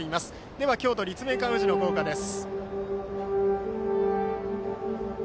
では京都・立命館宇治の校歌です。